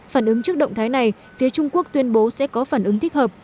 phản ứng trước động thái này phía trung quốc tuyên bố sẽ có phản ứng thích hợp